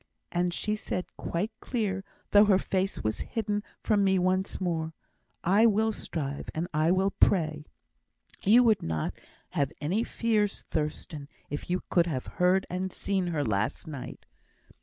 And she said out quite clear, though her face was hidden from me once more, 'I will strive, and I will pray.' You would not have had any fears, Thurstan, if you could have heard and seen her last night."